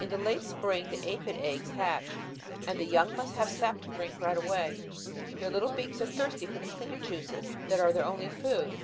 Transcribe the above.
"In the late spring the aphid eggs hatch, and the young must have sap to drink right away. Their little beaks are thirsty for the plant juices that are their only food.